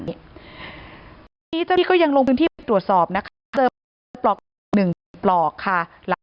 ทีนี้เจ้าพี่ก็ยังลงไปถึงที่ตรวจสอบนะคะเจอปลอกหนึ่งปลอกค่ะ